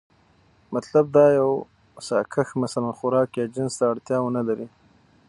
مطلب دا که يو ساکښ مثلا خوراک يا جنس ته اړتيا ونه لري،